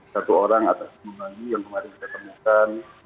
satu orang atas kembali yang kemarin kita temukan